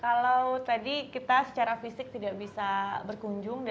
kalau tadi kita secara fisik tidak bisa berkunjung